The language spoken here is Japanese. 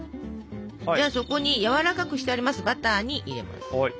じゃあそこにやわらかくしてありますバターに入れます。